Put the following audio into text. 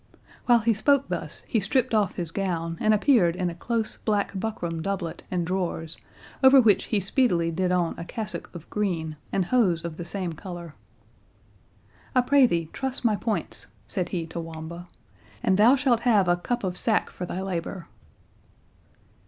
While he spoke thus, he stript off his gown, and appeared in a close black buckram doublet and drawers, over which he speedily did on a cassock of green, and hose of the same colour. "I pray thee truss my points," said he to Wamba, "and thou shalt have a cup of sack for thy labour."